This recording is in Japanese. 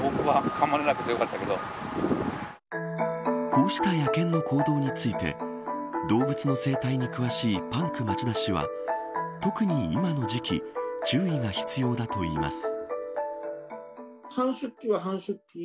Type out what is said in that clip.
こうした野犬の行動について動物の生態に詳しいパンク町田氏は特に今の時期注意が必要だといいます。